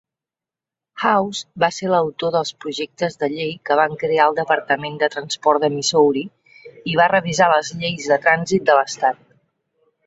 Hawes va ser l'autor dels projectes de llei que van crear el Departament de Transport de Missouri i va revisar les lleis de trànsit de l'estat.